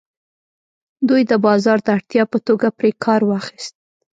دوی د بازار د اړتیا په توګه پرې کار واخیست.